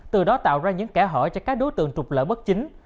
từ đó tạo ra những kẻ hỏi cho các đối tượng trục lỡ bất chính